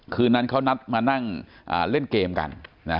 คืนนั้นเขานัดมานั่งเล่นเกมกัน